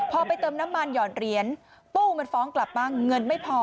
พอไปเติมน้ำมันหยอดเหรียญตู้มันฟ้องกลับบ้างเงินไม่พอ